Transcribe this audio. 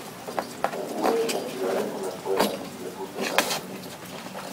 hube de castigarle con la espuela, y le puse al galope.